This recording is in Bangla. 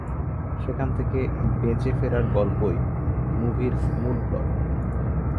সেখান থেকে বেঁচে ফেরার গল্পই মুভির মূল প্লট।